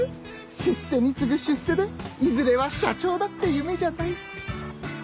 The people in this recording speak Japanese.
出世に次ぐ出世でいずれは社長だって夢じゃない。